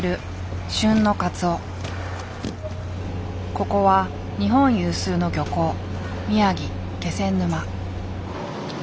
ここは日本有数の漁港宮城・気仙沼。